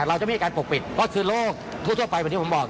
เราจะไม่มีการปกปิดก็คือโรคทั่วไปเหมือนที่ผมบอก